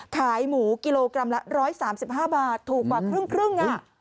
ขายหมูกิโลกรัมละ๑๓๕บาทถูกกว่าครึ่ง